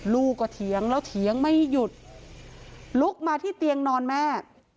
ลูกก็เถียงแล้วเถียงไม่หยุดลุกมาที่เตียงนอนแม่